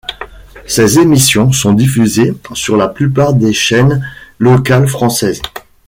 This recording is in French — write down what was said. Ces émissions sont diffusées sur la plupart des chaînes locales françaises.